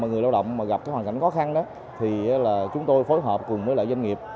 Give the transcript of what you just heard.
người lao động gặp hoàn cảnh khó khăn chúng tôi phối hợp cùng với doanh nghiệp